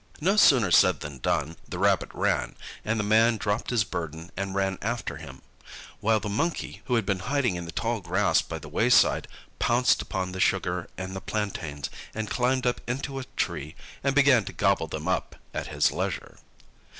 No sooner said than done: the Rabbit ran, and the man dropped his burden and ran after him; while the Monkey, who had been hiding in the tall grass by the wayside, pounced upon the sugar and the plantains, and climbed up into a tree, and began to gobble them up at his leisure.